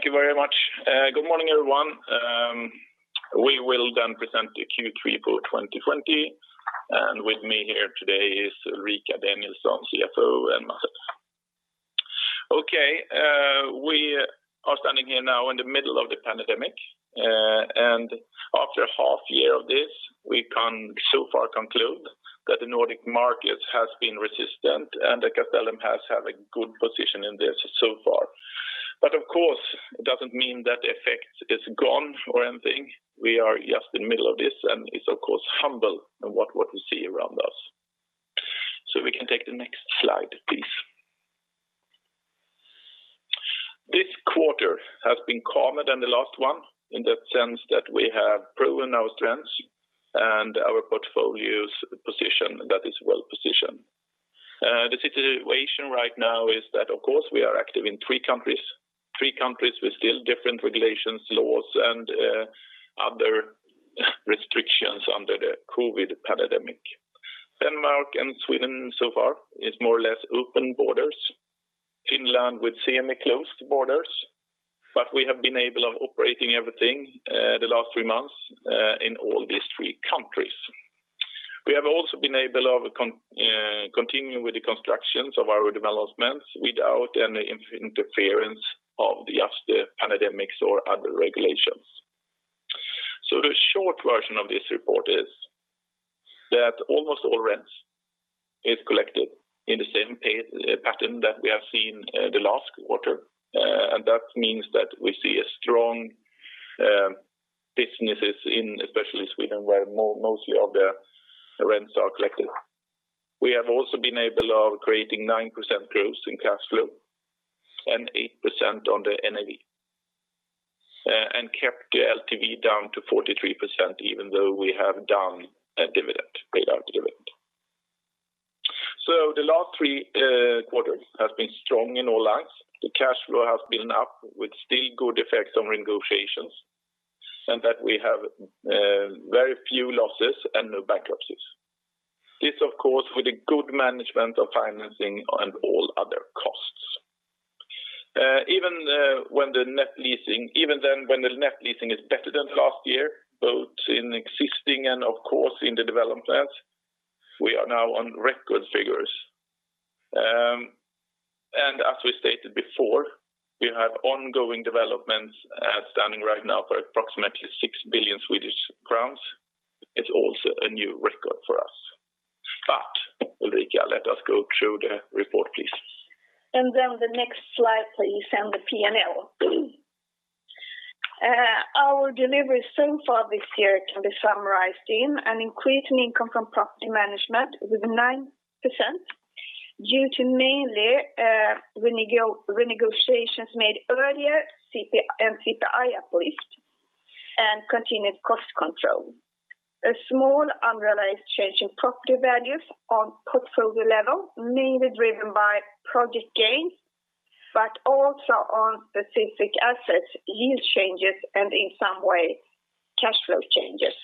Thank you very much. Good morning, everyone. We will present the Q3 for 2020. With me here today is Ulrika Danielsson, CFO. Okay. We are standing here now in the middle of the pandemic, and after a half year of this, we can so far conclude that the Nordic market has been resistant, and that Castellum has had a good position in this so far. Of course, it doesn't mean that the effect is gone or anything. We are just in the middle of this, and it's of course humble in what we see around us. We can take the next slide, please. This quarter has been calmer than the last one in the sense that we have proven our strengths and our portfolio's position that is well-positioned. The situation right now is that, of course, we are active in three countries with still different regulations, laws, and other restrictions under the COVID pandemic. Denmark and Sweden so far is more or less open borders. Finland with semi-closed borders. We have been able of operating everything the last three months in all these three countries. We have also been able of continuing with the constructions of our developments without any interference of just the pandemics or other regulations. The short version of this report is that almost all rent is collected in the same pattern that we have seen the last quarter. That means that we see a strong businesses in especially Sweden, where mostly all the rents are collected. We have also been able of creating 9% growth in cash flow and 8% on the NAV, and kept the LTV down to 43%, even though we have paid out dividend. The last three quarters have been strong in all lines. The cash flow has been up with still good effects on negotiations, and that we have very few losses and no bankruptcies. This, of course, with the good management of financing and all other costs. Even when the net leasing is better than last year, both in existing and of course in the developments, we are now on record figures. As we stated before, we have ongoing developments standing right now for approximately 6 billion Swedish crowns. It's also a new record for us. Ulrika, let us go through the report, please. Then the next slide, please, and the P&L. Our delivery so far this year can be summarized in an increasing income from property management with 9%, due to mainly negotiations made earlier, CPI uplift, and continued cost control. A small unrealized change in property values on portfolio level, mainly driven by project gains, but also on specific assets, yield changes, and in some way, cash flow changes.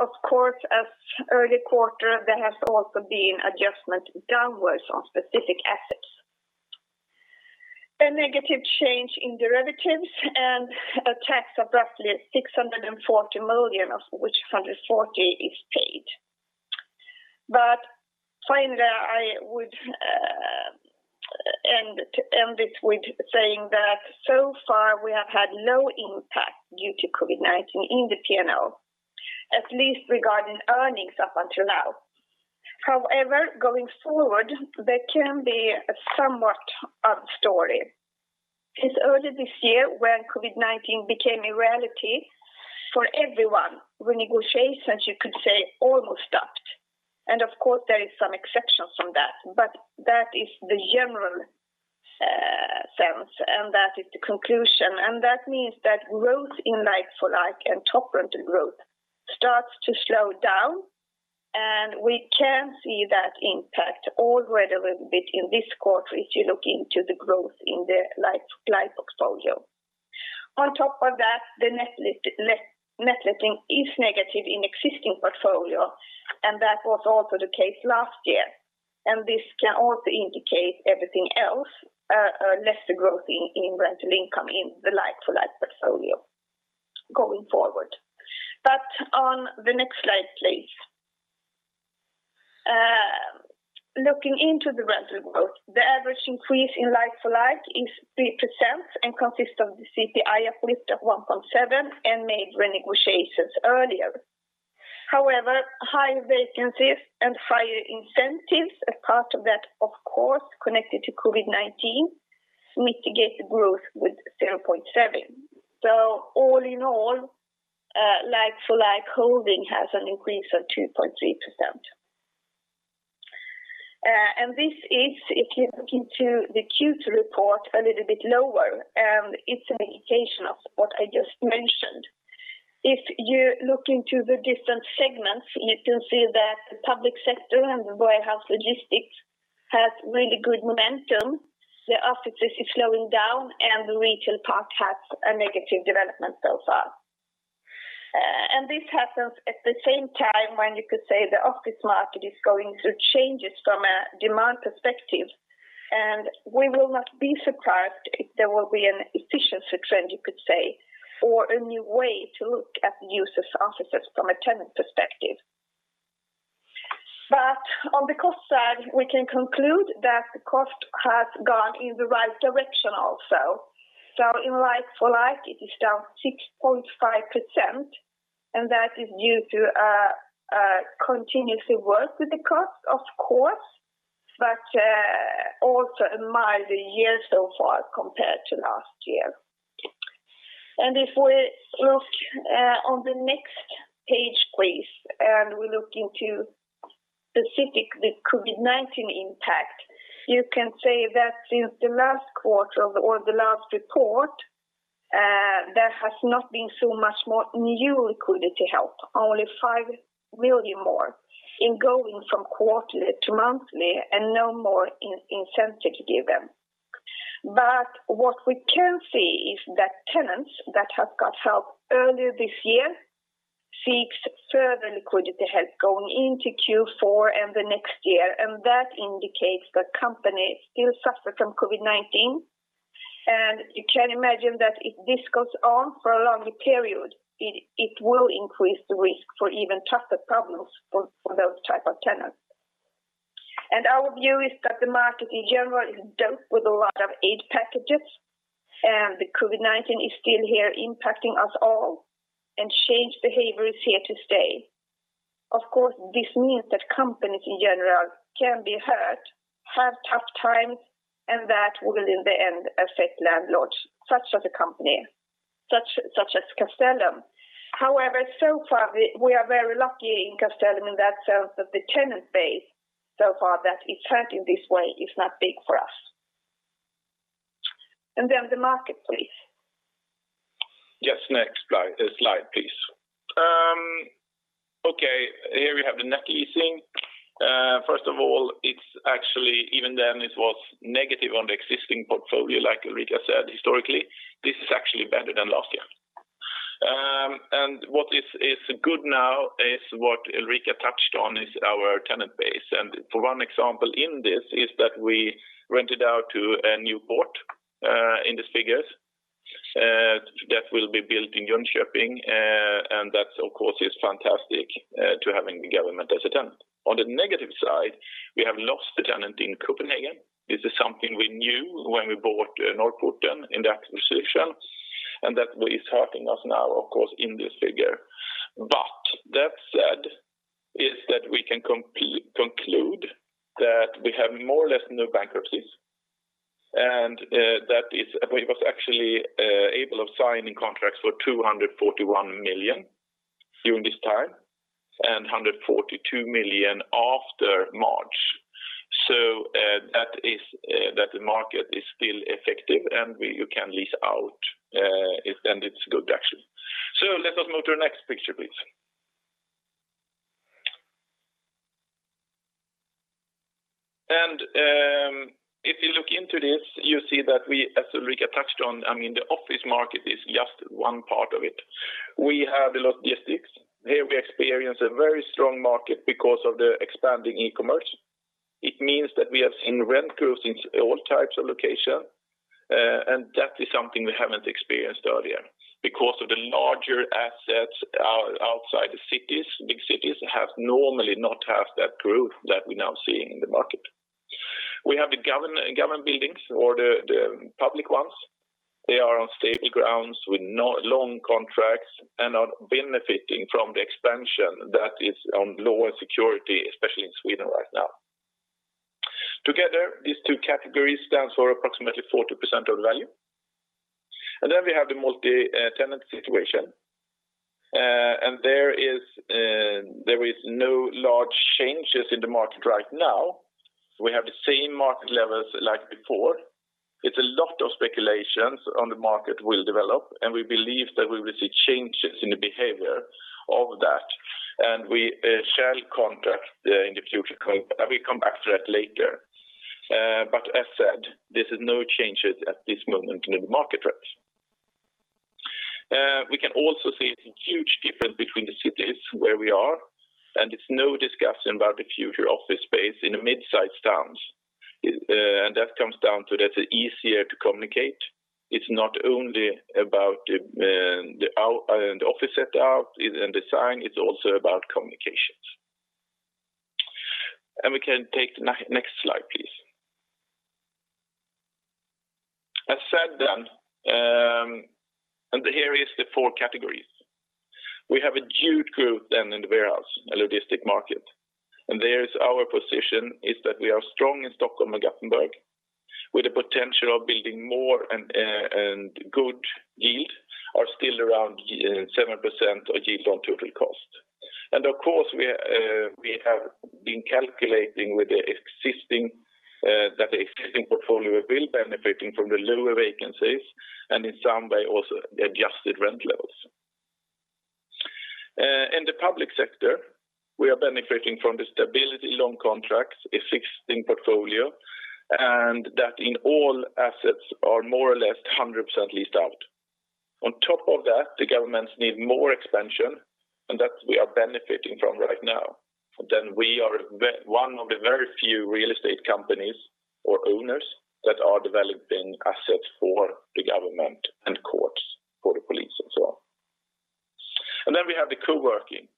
Of course, as early quarter, there has also been adjustment downwards on specific assets. A negative change in derivatives and a tax of roughly 640 million, of which 140 is paid. Finally, I would end it with saying that so far we have had no impact due to COVID-19 in the P&L, at least regarding earnings up until now. However, going forward, there can be a somewhat other story. It's early this year when COVID-19 became a reality for everyone. Negotiations, you could say, almost stopped. Of course, there is some exceptions from that, but that is the general sense, and that is the conclusion. That means that growth in like-for-like and top-line growth starts to slow down, and we can see that impact already a little bit in this quarter if you look into the growth in the like-for-like portfolio. On top of that, the net leasing is negative in existing portfolio, and that was also the case last year. This can also indicate everything else, lesser growth in rental income in the like-for-like portfolio going forward. On the next slide, please. Looking into the rental growth, the average increase in like-for-like is 3% and consists of the CPI uplift of 1.7 and made negotiations earlier. Higher vacancies and higher incentives, a part of that, of course, connected to COVID-19, mitigate the growth with 0.7%. All in all, like-for-like holding has an increase of 2.3%. This is, if you look into the Q2 report a little bit lower, it's an indication of what I just mentioned. If you look into the different segments, you can see that the public sector and the warehouse logistics have really good momentum. The offices is slowing down and the retail park has a negative development so far. This happens at the same time when you could say the office market is going through changes from a demand perspective, and we will not be surprised if there will be an efficiency trend, you could say, or a new way to look at the use of offices from a tenant perspective. On the cost side, we can conclude that the cost has gone in the right direction also. In like-for-like, it is down 6.5%, and that is due to continuously work with the cost, of course, but also a milder year so far compared to last year. If we look on the next page, please, and we look into specific, the COVID-19 impact, you can say that since the last quarter or the last report, there has not been so much more new liquidity help. Only 5 million more in going from quarterly to monthly and no more incentive given. What we can see is that tenants that have got help earlier this year seek further liquidity help going into Q4 and the next year. That indicates that companies still suffer from COVID-19. You can imagine that if this goes on for a longer period, it will increase the risk for even tougher problems for those type of tenants. Our view is that the market in general is dealt with a lot of aid packages, and the COVID-19 is still here impacting us all and changed behavior is here to stay. Of course, this means that companies in general can be hurt, have tough times, and that will in the end affect landlords such as Castellum. However, so far, we are very lucky in Castellum in that sense that the tenant base so far that is hurt in this way is not big for us. The market, please. Yes. Next slide, please. Here we have the net leasing. First of all, it's actually, even then it was negative on the existing portfolio, like Ulrika said, historically, this is actually better than last year. What is good now is what Ulrika touched on, is our tenant base. For one example in this is that we rented out to a Nya Porten in these figures, that will be built in Jönköping. That of course is fantastic to having the government as a tenant. On the negative side, we have lost a tenant in Copenhagen. This is something we knew when we bought Norrporten in that acquisition, that is hurting us now, of course, in this figure. That said, is that we can conclude that we have more or less no bankruptcies. That we was actually able of signing contracts for 241 million during this time and 142 million after March. That the market is still effective and you can lease out, and it's good action. Let us move to the next picture, please. If you look into this, you see that we, as Ulrika touched on, the office market is just one part of it. We have the logistics. Here we experience a very strong market because of the expanding e-commerce. It means that we have seen rent growth in all types of location. That is something we haven't experienced earlier because of the larger assets outside the big cities have normally not have that growth that we're now seeing in the market. We have the government buildings or the public ones. They are on stable grounds with long contracts and are benefiting from the expansion that is onshoring, especially in Sweden right now. Together, these two categories stand for approximately 40% of the value. We have the multi-tenant situation. There is no large changes in the market right now. We have the same market levels like before. It's a lot of speculations on the market will develop, and we believe that we will see changes in the behavior of that, and we shall contract in the future. I will come back to that later. As said, there's no changes at this moment in the market trends. We can also see it's a huge difference between the cities where we are and it's no discussion about the future office space in the mid-sized towns. That comes down to that it's easier to communicate. It's not only about the office setup and design, it's also about communications. We can take the next slide, please. As said then, and here is the four categories. We have a huge growth then in the warehouse, logistic market. There is our position is that we are strong in Stockholm and Gothenburg with the potential of building more and good yield are still around 7% of yield on total cost. Of course, we have been calculating with the existing portfolio will benefiting from the lower vacancies and in some way also the adjusted rent levels. In the public sector, we are benefiting from the stability long contracts, a fixed portfolio, and that in all assets are more or less 100% leased out. On top of that, the governments need more expansion, and that we are benefiting from right now. We are one of the very few real estate companies or owners that are developing assets for the government and courts, for the police as well. We have the co-working.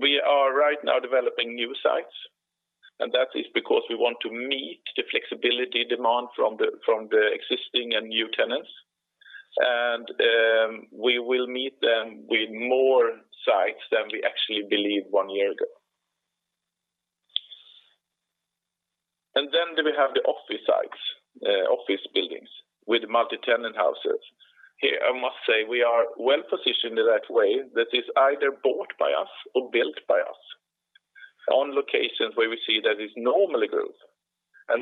We are right now developing new sites, that is because we want to meet the flexibility demand from the existing and new tenants. We will meet them with more sites than we actually believed one year ago. We have the office sites, office buildings with multi-tenant houses. Here, I must say, we are well-positioned in that way that is either bought by us or built by us on locations where we see that it's normally growth,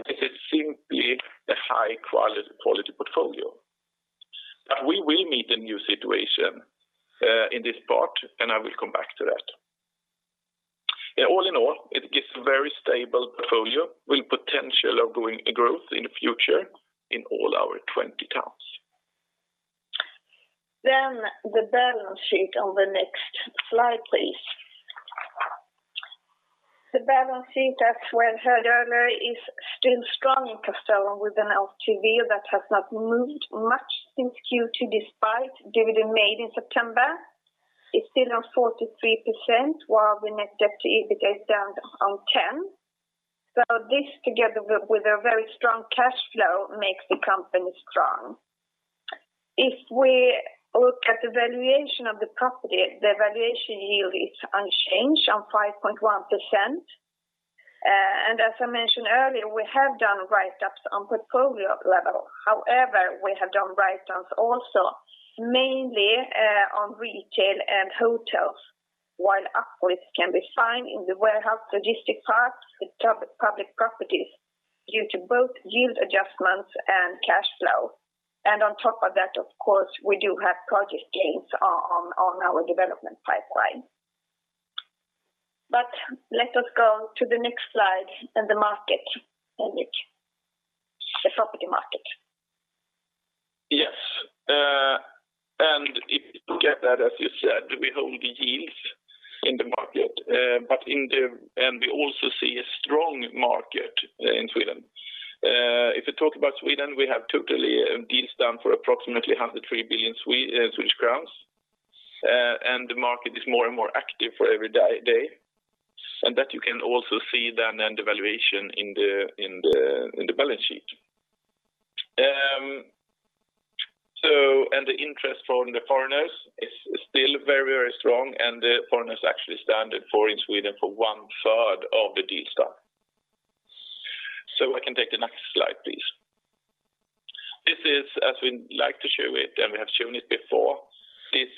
this is simply a high-quality portfolio. We will meet the new situation in this part, I will come back to that. All in all, it gives a very stable portfolio with potential ongoing growth in the future in all our 20 towns. The balance sheet on the next slide, please. The balance sheet, as we heard earlier, is still strong in Castellum with an LTV that has not moved much since Q2, despite dividend made in September. It's still on 43%, while the net debt to EBITDA is down on 10. This, together with a very strong cash flow, makes the company strong. If we look at the valuation of the property, the valuation yield is unchanged on 5.1%. As I mentioned earlier, we have done write-ups on portfolio level. However, we have done write-downs also, mainly on retail and hotels, while upwards can be found in the warehouse logistic parks with public properties due to both yield adjustments and cash flow. On top of that, of course, we do have project gains on our development pipeline. Let us go to the next slide and the market, Henrik. The property market. Yes. If you look at that, as you said, we hold yields in the market. We also see a strong market in Sweden. If we talk about Sweden, we have totally deals done for approximately 103 billion Swedish crowns, and the market is more and more active for every day. That you can also see the valuation in the balance sheet. The interest from the foreigners is still very strong, and the foreigners actually stand in for, in Sweden, for one-third of the deals done. I can take the next slide, please. This is as we like to show it, and we have shown it before. This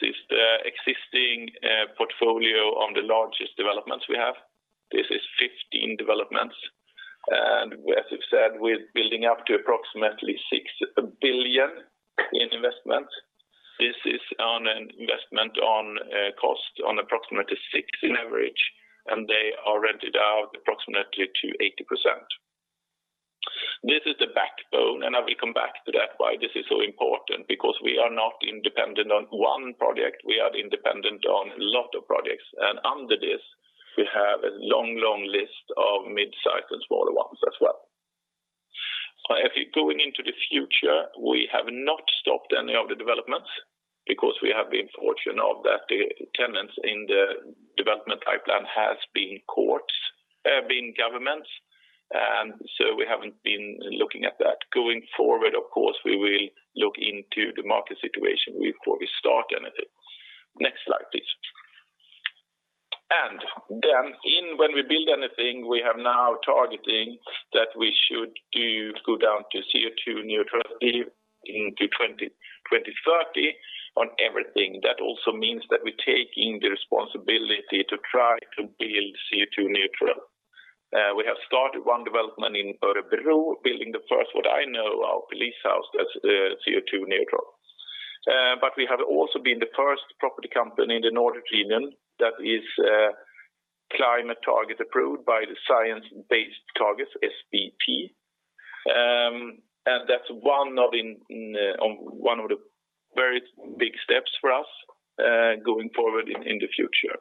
is 15 developments. As we've said, we're building up to approximately 6 billion in investment. This is on an investment on cost on approximately 6 in average, and they are rented out approximately to 80%. This is the backbone. I will come back to that why this is so important, because we are not dependent on one project, we are dependent on a lot of projects. Under this, we have a long list of mid-size and smaller ones as well. If we're going into the future, we have not stopped any of the developments. We have been fortunate that the tenants in the development pipeline have been governments. We haven't been looking at that. Going forward, of course, we will look into the market situation before we start anything. Next slide, please. When we build anything, we are now targeting that we should go down to CO2 neutrality into 2030 on everything. That also means that we're taking the responsibility to try to build CO2 neutral. We have started one development in Örebro, building the first, what I know, our police house that's CO2 neutral. We have also been the first property company in the Nordic region that is climate target approved by the Science Based Targets, SBT. That's one of the very big steps for us going forward in the future.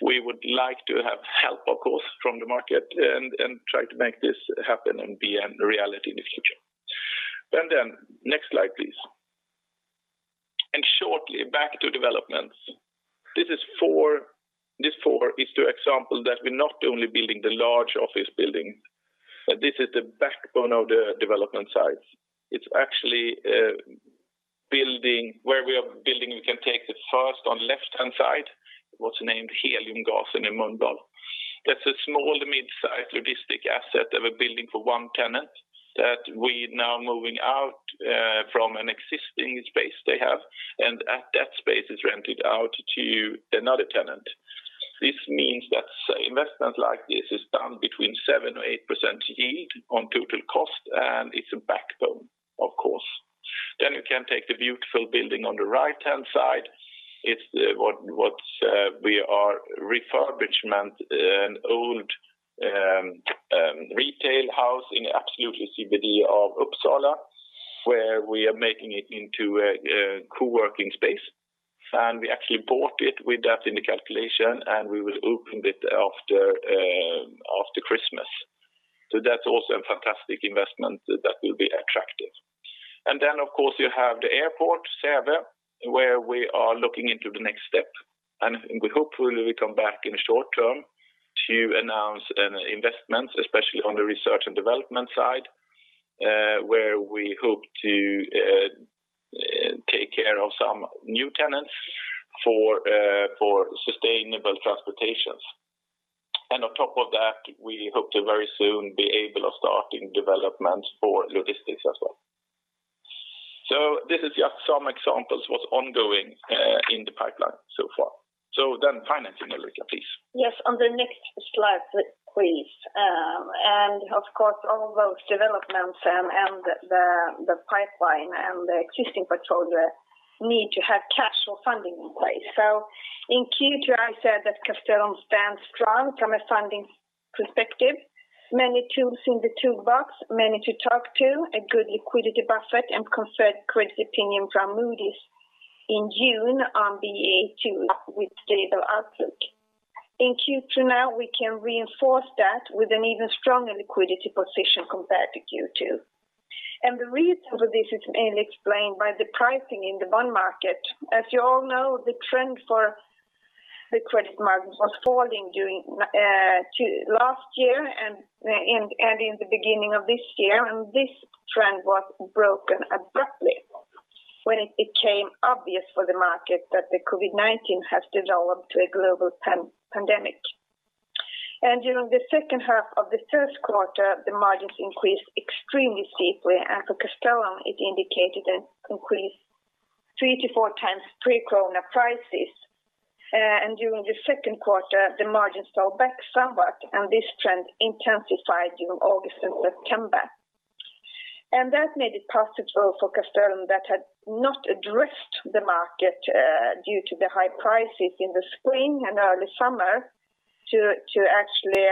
We would like to have help, of course, from the market and try to make this happen and be a reality in the future. Next slide, please. Shortly back to developments. These four is the example that we're not only building the large office buildings. This is the backbone of the development sites. It's actually where we are building. We can take the first on left-hand side, what's named Heliumgatan in Mölndal. That's a small-to-mid-size logistic asset of a building for one tenant that we're now moving out from an existing space they have, and that space is rented out to another tenant. This means that investment like this is done between 7% or 8% yield on total cost, and it's a backbone, of course. You can take the beautiful building on the right-hand side. It's what we are refurbishment an old retail house in absolutely CBD of Uppsala, where we are making it into a co-working space. We actually bought it with that in the calculation, and we will open it after Christmas. That's also a fantastic investment that will be attractive. Of course, you have the airport, Säve, where we are looking into the next step. Hopefully we come back in short term to announce an investment, especially on the research and development side, where we hope to take care of some new tenants for sustainable transportations. On top of that, we hope to very soon be able of starting developments for logistics as well. This is just some examples what's ongoing in the pipeline so far. Financing, Ulrika, please. Yes. On the next slide, please. Of course, all those developments and the pipeline and the existing portfolio need to have cash flow funding in place. In Q2, I said that Castellum stands strong from a funding perspective. Many tools in the toolbox, many to talk to, a good liquidity buffer and confirmed credit opinion from Moody's in June on Baa2 with stable outlook. In Q2 now, we can reinforce that with an even stronger liquidity position compared to Q2. The reason for this is mainly explained by the pricing in the bond market. As you all know, the trend for the credit margin was falling last year and in the beginning of this year. This trend was broken abruptly when it became obvious for the market that the COVID-19 has developed to a global pandemic. During the second half of the first quarter, the margins increased extremely steeply, and for Castellum, it indicated an increase three to four times pre-corona prices. During the second quarter, the margins fell back somewhat, and this trend intensified during August and September. That made it possible for Castellum that had not addressed the market due to the high prices in the spring and early summer to actually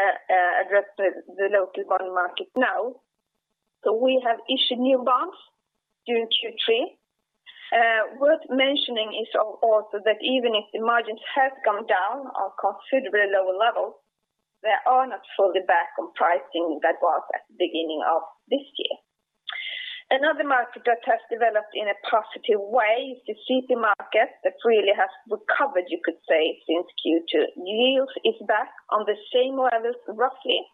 address the local bond market now. We have issued new bonds during Q3. Worth mentioning is also that even if the margins have come down on considerably lower levels, they are not fully back on pricing that was at the beginning of this year. Another market that has developed in a positive way is the CP market that really has recovered, you could say, since Q2. Yield is back on the same levels, roughly,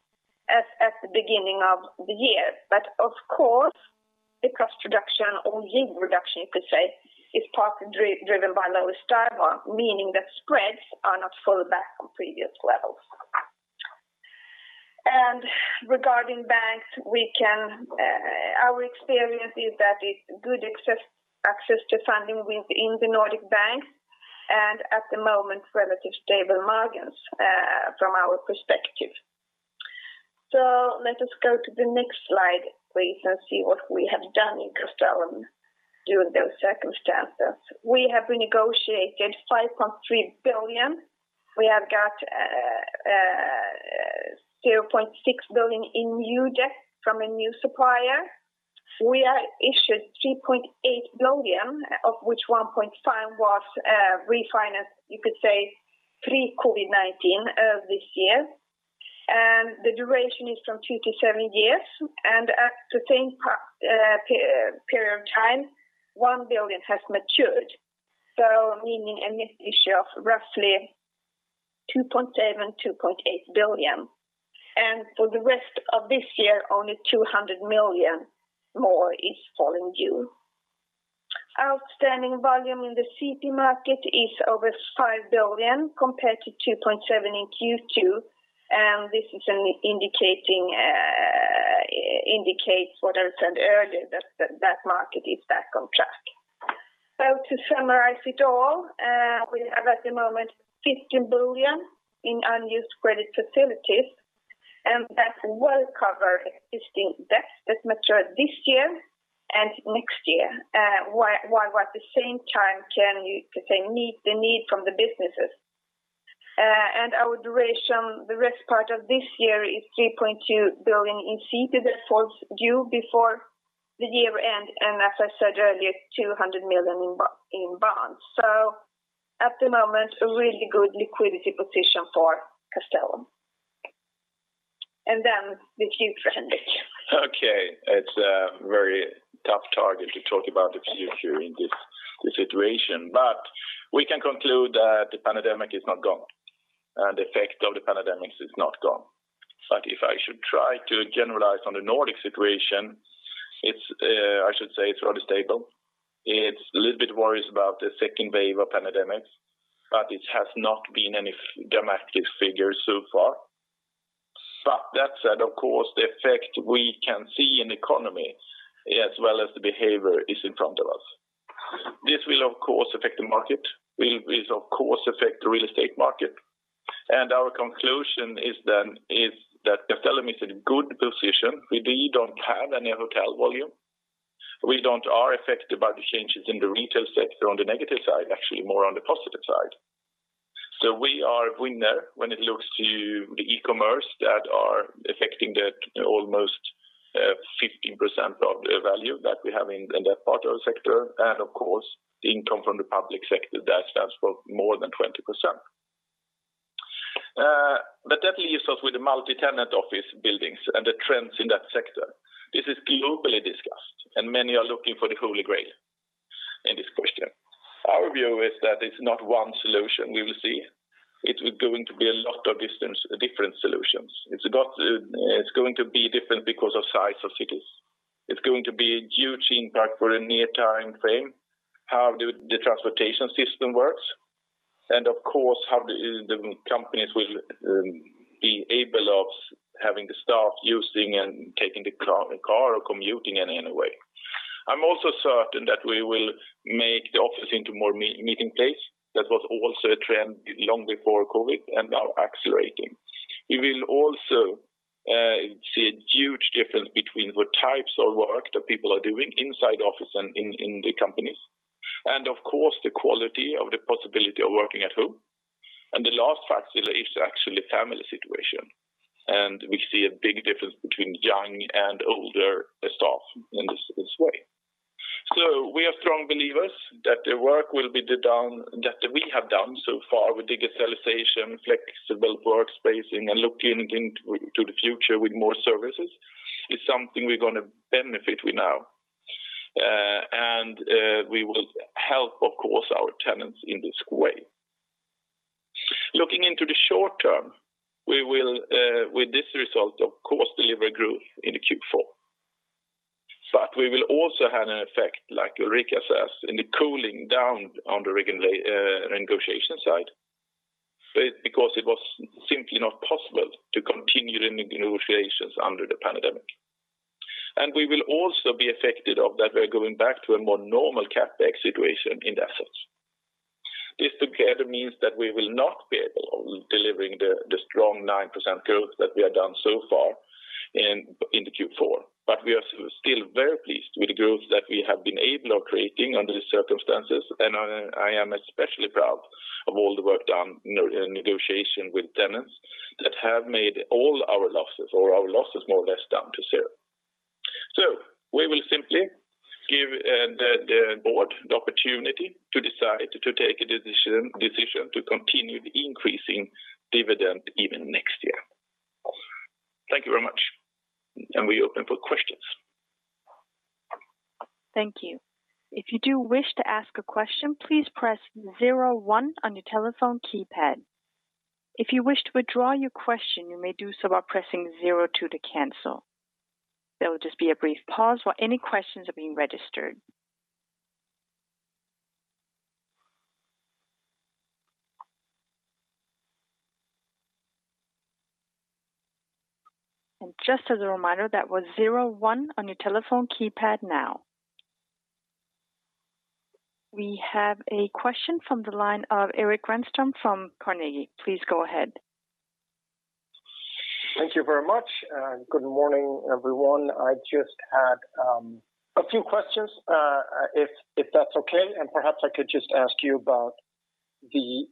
as at the beginning of the year. Of course, the cost reduction or yield reduction, you could say, is partly driven by lower STIBOR, meaning that spreads are not fully back on previous levels. Regarding banks, our experience is that good access to funding within the Nordic banks and at the moment, relative stable margins from our perspective. Let us go to the next slide, please, and see what we have done in Castellum during those circumstances. We have renegotiated 5.3 billion. We have got 0.6 billion in new debt from a new supplier. We have issued 3.8 billion, of which 1.5 was refinance, you could say, pre-COVID-19 of this year. The duration is from two to seven years. At the same period of time, 1 billion has matured. Meaning a net issue of roughly 2.7-2.8 billion. For the rest of this year, only 200 million more is falling due. Outstanding volume in the CP market is over 5 billion compared to 2.7 billion in Q2. This indicates what I said earlier, that that market is back on track. To summarize it all, we have at the moment 15 billion in unused credit facilities, and that will cover existing debts that mature this year and next year while at the same time can, you could say, meet the need from the businesses. Our duration the rest part of this year is 3.2 billion in CP that falls due before the year end, and as I said earlier, 200 million in bonds. At the moment, a really good liquidity position for Castellum. The future, Henrik. Okay. It's a very tough target to talk about the future in this situation. We can conclude that the pandemic is not gone, and the effect of the pandemic is not gone. If I should try to generalize on the Nordic situation, I should say it's rather stable. It's a little bit worries about the second wave of pandemic, but it has not been any dramatic figures so far. That said, of course, the effect we can see in the economy, as well as the behavior, is in front of us. This will, of course, affect the market. It will, of course, affect the real estate market. Our conclusion is that Castellum is in good position. We don't have any hotel volume. We are affected by the changes in the retail sector on the negative side, actually more on the positive side. We are a winner when it looks to the e-commerce that are affecting almost 15% of the value that we have in that part of the sector, and of course, the income from the public sector that stands for more than 20%. That leaves us with the multi-tenant office buildings and the trends in that sector. This is globally discussed, and many are looking for the Holy Grail in this question. Our view is that it's not one solution we will see. It's going to be a lot of different solutions. It's going to be different because of size of cities. It's going to be a huge impact for the near time frame, how the transportation system works, and of course, how the companies will be able of having the staff using and taking the car or commuting in any way. I'm also certain that we will make the office into more meeting place. That was also a trend long before COVID and now accelerating. We will also see a huge difference between the types of work that people are doing inside office and in the companies. Of course, the quality of the possibility of working at home. The last factor is actually family situation. We see a big difference between young and older staff in this way. We are strong believers that the work that we have done so far with decentralization, flexible work spacing, and looking into the future with more services is something we're going to benefit with now. We will help, of course, our tenants in this way. Looking into the short-term, we will, with this result, of course, deliver growth into Q4. We will also have an effect, like Ulrika says, in the cooling down on the negotiation side. Because it was simply not possible to continue the negotiations under the pandemic. We will also be affected of that we are going back to a more normal CapEx situation in the assets. This together means that we will not be able of delivering the strong 9% growth that we have done so far in the Q4. We are still very pleased with the growth that we have been able of creating under the circumstances. I am especially proud of all the work done in negotiation with tenants that have made all our losses, or our losses more or less down to zero. We will simply give the board the opportunity to decide to take a decision to continue the increasing dividend even next year. Thank you very much. We open for questions. Thank you. If you do wish to ask a question, please press zero one on your telephone keypad. If you wish to withdraw your question, you may do so by pressing zero two to cancel. There will just be a brief pause while any questions are being registered. Just as a reminder, that was zero one on your telephone keypad now. We have a question from the line of Erik Renström from Carnegie. Please go ahead. Thank you very much. Good morning, everyone. I just had a few questions, if that's okay, and perhaps I could just ask you about the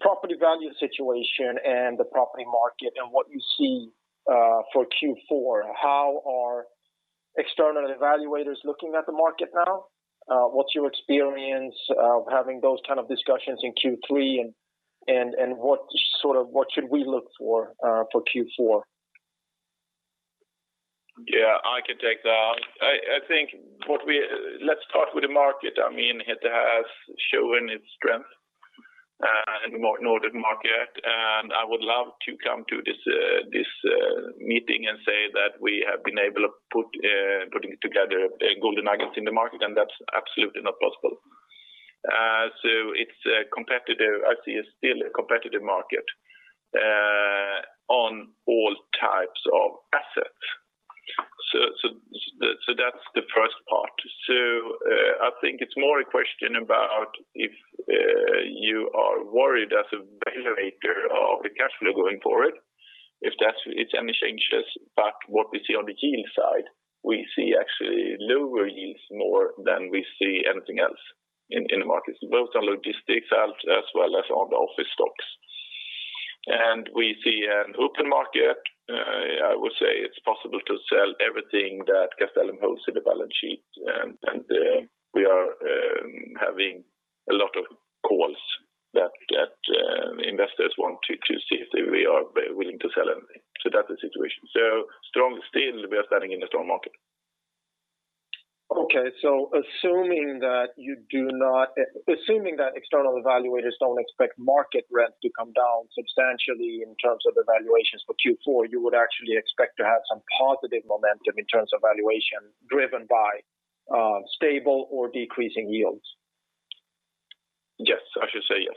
property value situation and the property market and what you see for Q4. How are external evaluators looking at the market now? What's your experience of having those kind of discussions in Q3, and what should we look for Q4? Yeah, I can take that. Let's start with the market. It has shown its strength in the Nordic market, and I would love to come to this meeting and say that we have been able of putting together golden nuggets in the market, and that's absolutely not possible. I see it's still a competitive market on all types of assets. That's the first part. I think it's more a question about if you are worried as a valuator of the cash flow going forward, if that it's any changes. What we see on the yield side, we see actually lower yields more than we see anything else in the markets, both on logistics as well as on the office stocks. We see an open market. I would say it's possible to sell everything that Castellum holds in the balance sheet, and we are having a lot of calls that investors want to see if we are willing to sell anything. That's the situation. Strong still we are standing in a strong market. Okay, assuming that external evaluators don't expect market rent to come down substantially in terms of evaluations for Q4, you would actually expect to have some positive momentum in terms of valuation driven by stable or decreasing yields? Yes, I should say yes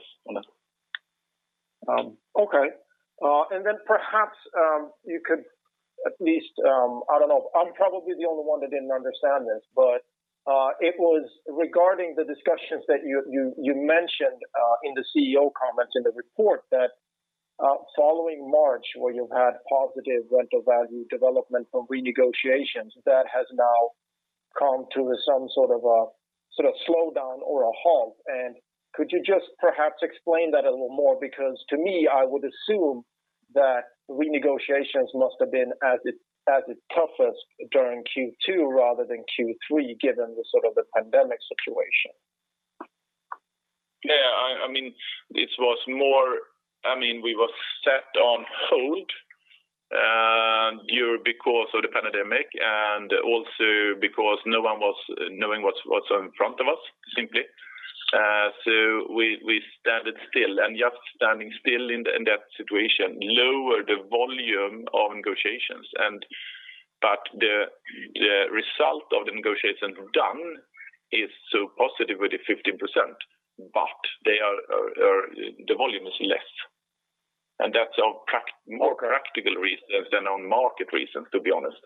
on that. Okay. Perhaps you could at least, I don't know, I'm probably the only one that didn't understand this, but it was regarding the discussions that you mentioned in the CEO comments in the report that following March where you had positive rental value development from renegotiations that has now come to some sort of a slowdown or a halt. Could you just perhaps explain that a little more? Because to me, I would assume that renegotiations must have been at its toughest during Q2 rather than Q3, given the pandemic situation. Yeah. This was more set on hold because of the pandemic and also because no one was knowing what's in front of us, simply. We stood still. Just standing still in that situation lowered the volume of negotiations. The result of the negotiations done is still positive with the 15%, but the volume is less. That's on more practical reasons than on market reasons, to be honest.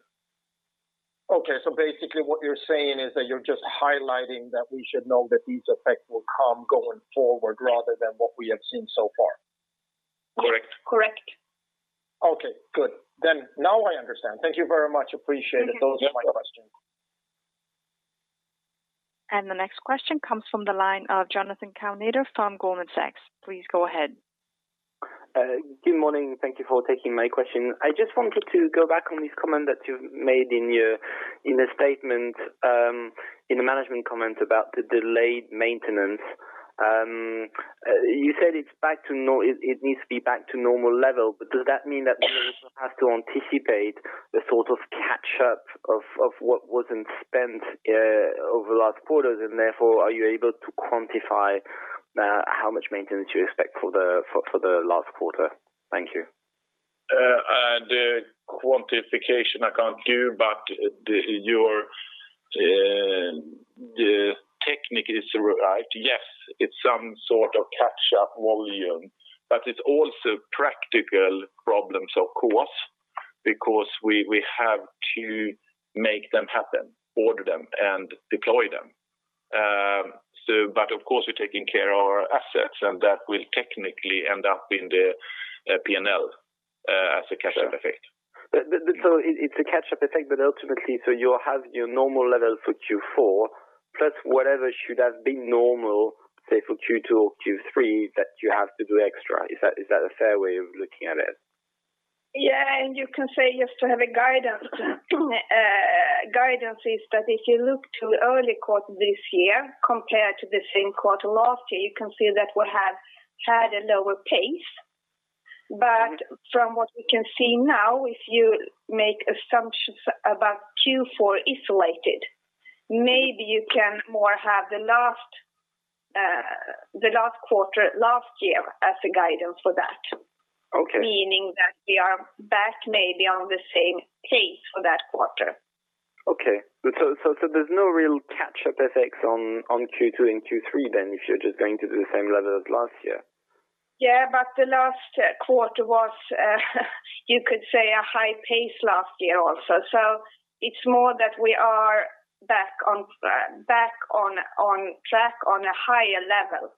Okay. Basically what you're saying is that you're just highlighting that we should know that these effects will come going forward rather than what we have seen so far. Correct. Correct. Okay, good. Now I understand. Thank you very much. Appreciate it. Thank you. Those are my questions. The next question comes from the line of Jonathan Kownator from Goldman Sachs. Please go ahead. Good morning. Thank you for taking my question. I just wanted to go back on this comment that you made in the statement in the management comment about the delayed maintenance. You said it needs to be back to normal level. Does that mean that management has to anticipate the sort of catch-up of what wasn't spent over the last quarters? Therefore, are you able to quantify how much maintenance you expect for the last quarter? Thank you. The quantification I can't do, but the technique is right. Yes, it's some sort of catch-up volume, but it's also practical problems, of course, because we have to make them happen, order them, and deploy them. Of course, we're taking care of our assets, and that will technically end up in the P&L as a catch-up effect. It's a catch-up effect, but ultimately, so you have your normal level for Q4 plus whatever should have been normal, say for Q2 or Q3, that you have to do extra. Is that a fair way of looking at it? Yeah, you can say just to have a guidance. Guidance is that if you look to early quarter this year compared to the same quarter last year, you can see that we have had a lower pace. From what we can see now, if you make assumptions about Q4 isolated, maybe you can more have the last quarter last year as a guidance for that. Okay. Meaning that we are back maybe on the same pace for that quarter. Okay. there's no real catch-up effects on Q2 and Q3 then if you're just going to do the same level as last year? Yeah, the last quarter was you could say a high pace last year also. It's more that we are back on track on a higher level.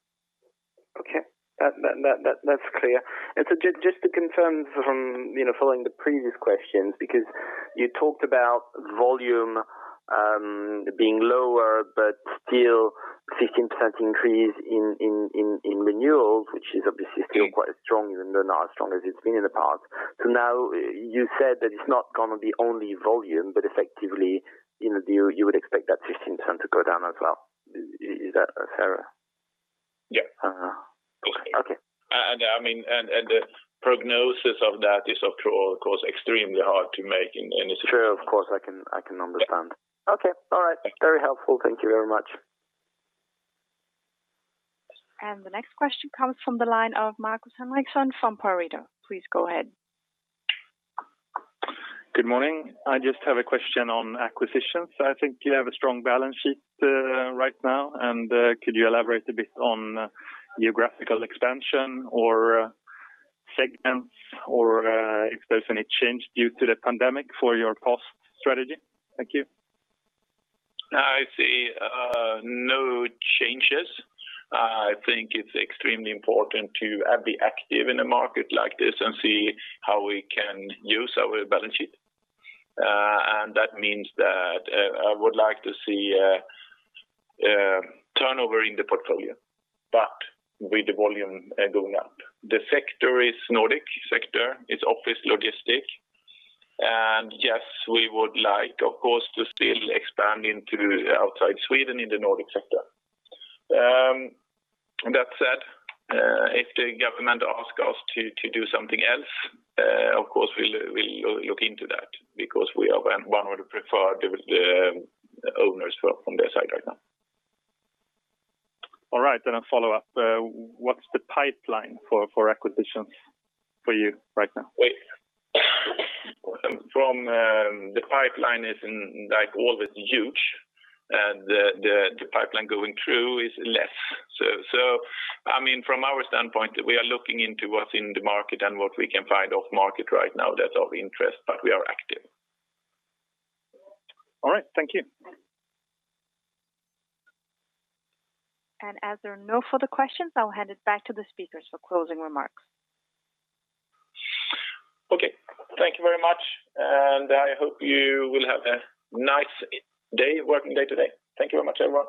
Okay. That's clear. Just to confirm from following the previous questions, because you talked about volume being lower but still 15% increase in renewals, which is obviously still quite strong even though not as strong as it's been in the past. Now you said that it's not going to be only volume, but effectively, you would expect that 15% to go down as well. Is that a fair? Yeah. Uh-huh. Okay. The prognosis of that is after all, of course, extremely hard to make in this situation. Sure. Of course. I can understand. Yeah. Okay. All right. Very helpful. Thank you very much. The next question comes from the line of Markus Henriksson from Pareto. Please go ahead. Good morning. I just have a question on acquisitions. I think you have a strong balance sheet right now. Could you elaborate a bit on geographical expansion or segments or if there's any change due to the pandemic for your cost strategy? Thank you. I see no changes. I think it's extremely important to be active in a market like this and see how we can use our balance sheet. That means that I would like to see turnover in the portfolio, but with the volume going up. The sector is Nordic sector, it's office logistics. Yes, we would like, of course, to still expand into outside Sweden in the Nordic sector. That said, if the government ask us to do something else, of course we'll look into that because we are one of the preferred owners from their side right now. All right. A follow-up. What's the pipeline for acquisitions for you right now? From the pipeline is, and like all, it's huge. The pipeline going through is less. From our standpoint, we are looking into what's in the market and what we can find off-market right now that's of interest, but we are active. All right. Thank you. As there are no further questions, I'll hand it back to the speakers for closing remarks. Okay. Thank you very much. I hope you will have a nice working day today. Thank you very much, everyone.